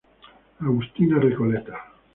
Agustinas Recoletas.